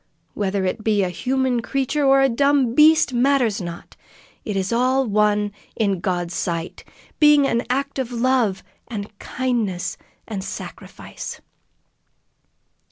Whether it be a human creature or a dumb beast, matters not. It is all one in God's sight, being an act of love and kindness and sacrifice."